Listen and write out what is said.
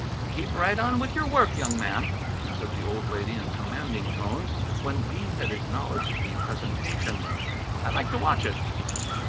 "Keep right on with your work, young man," said the old lady in commanding tones, when Bean had acknowledged the presentation. "I like to watch it."